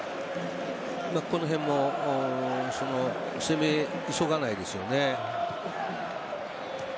このへんも攻め急がないですよね。